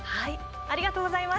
ありがとうございます。